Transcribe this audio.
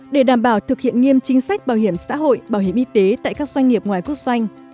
để đảm bảo thực hiện nghiêm chính sách bảo hiểm xã hội bảo hiểm y tế tại các doanh nghiệp ngoài quốc doanh